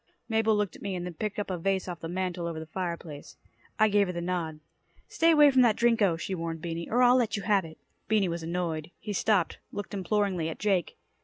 Mabel looked at me and then picked up a vase off the mantle over the fire place. I gave her the nod. "Stay away from that Drinko," she warned Beany, "or I'll let you have it." Beany was annoyed. He stopped, looking imploringly at Jake.